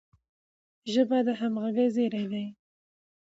ژبه د همږغی زیری دی.